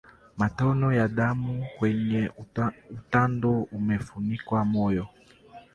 Matone ya damu kwenye utando unaofunika moyo